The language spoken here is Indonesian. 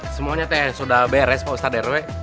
semuanya teh sudah beres pak ustadz rw